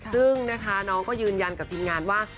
ซึ่งนะคะน้องก็ยืนยันกับทีมงานว่า